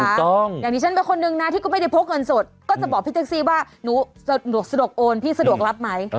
อย่างนี้ฉันเป็นคนนึงนะที่ก็ไม่ได้พกเงินสดก็จะบอกพี่แท็กซี่ว่าหนูสะดวกโอนพี่สะดวกรับไหม